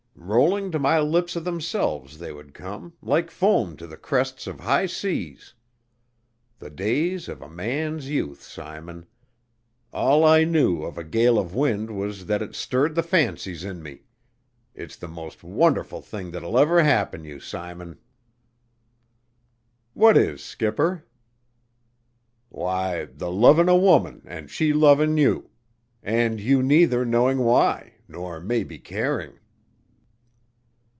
Rolling to my lips o' themselves they would come, like foam to the crests of high seas. The days of a man's youth, Simon! All I knew of a gale of wind was that it stirred the fancies in me. It's the most wonderful thing will ever happen you, Simon." "What is, skipper?" "Why, the loving a woman and she loving you, and you neither knowing why, nor maybe caring."